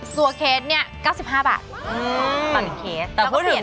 ตัวเคสเนี่ย๙๕บาท